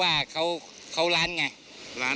ถ้าเขาถูกจับคุณอย่าลืม